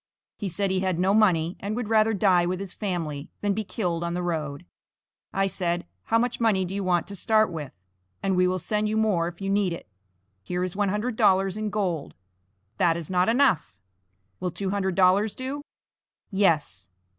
He said, he had no money, and would rather die with his family, than be killed on the road. I said, how much money do you want to start with, and we will send you more if you need it. Here is one hundred dollars in gold. "That is not enough." "Will two hundred dollars do?" "Yes."